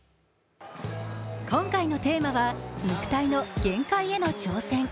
今回のテーマは肉体の限界への挑戦。